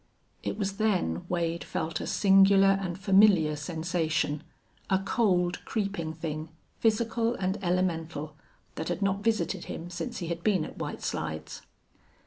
It was then Wade felt a singular and familiar sensation, a cold, creeping thing, physical and elemental, that had not visited him since he had been at White Slides.